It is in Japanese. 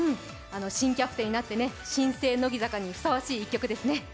新キャプテンになって、新生乃木坂にふさわしい一曲ですね。